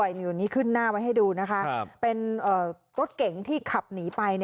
เดี๋ยวนี้ขึ้นหน้าไว้ให้ดูนะคะเป็นรถเก๋งที่ขับหนีไป